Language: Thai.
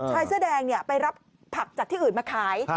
ชายเสื้อแดงไปรับผักจากที่อื่นมาขาย